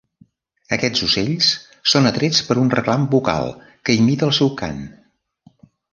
Aquests ocells són atrets per un reclam bucal que imita el seu cant.